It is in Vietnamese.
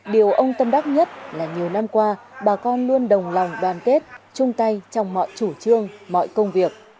điều ông tâm đắc nhất là nhiều năm qua bà con luôn đồng lòng đoàn kết chung tay trong mọi chủ trương mọi công việc